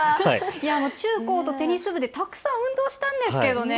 中高とテニス部でたくさん運動したんですけどね。